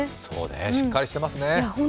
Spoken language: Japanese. そうね、しっかりしてますね。